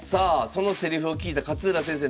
そのセリフを聞いた勝浦先生